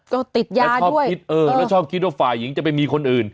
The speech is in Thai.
ก็ติดยาชอบคิดเออแล้วชอบคิดว่าฝ่ายหญิงจะไปมีคนอื่น